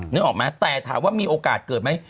นึกออกไหมแต่ถามว่ามีโอกาสเกิดไหม